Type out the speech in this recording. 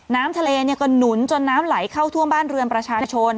น้ำทะเลก็หนุนจนน้ำไหลเข้าท่วมบ้านเรือนประชาชน